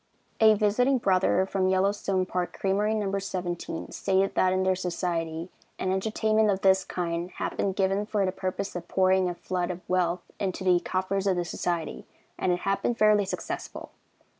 A visiting brother from Yellowstone Park Creamery No. 17, stated that in their society "an entertainment of this kind had been given for the purpose of pouring a flood of wealth into the coffers of the society, and it had been fairly successful.